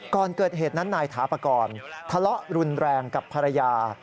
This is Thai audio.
ก่อนเกิดเหตุนั้นนายถาปากรทะเลาะรุนแรงกับภรรยา